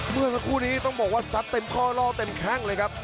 เมื่อคว่าคู่นี้ต้องบอกว่าสัดเต็มข้อร่องเต็มแค่